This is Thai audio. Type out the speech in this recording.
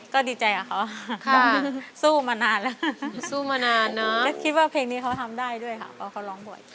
ก็ดีใจกับเขาร้องสู้มานานแล้วสู้มานานเนอะแล้วคิดว่าเพลงนี้เขาทำได้ด้วยค่ะเพราะเขาร้องบ่อย